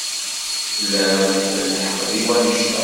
Tlam lḥeqq deg wanect-a.